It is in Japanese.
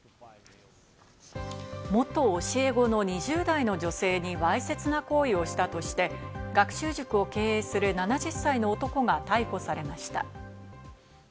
元教え子の２０代の女性にわいせつな行為をしたとして学習塾を経営する７０歳の男が逮捕されました。